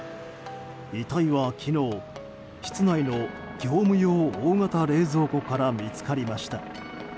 遺体は昨日、室内の業務用大型冷蔵庫から見つかりました。